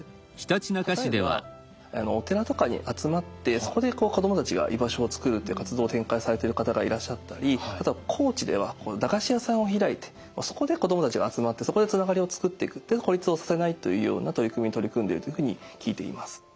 例えばお寺とかに集まってそこで子どもたちが居場所を作るという活動を展開されてる方がいらっしゃったりあとは高知では駄菓子屋さんを開いてそこで子どもたちが集まってそこでつながりを作っていく孤立をさせないというような取り組みに取り組んでいるというふうに聞いています。